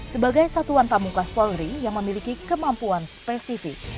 sebagai satuan tamu kelas polri yang memiliki kemampuan spesifik